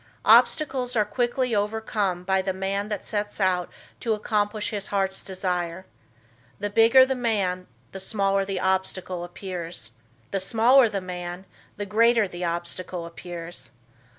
Obstacles are quickly overcome by the man that sets out to accomplish his heart's desire. The "bigger" the man, the smaller the obstacle appears. The "smaller" the man the greater the obstacle appears.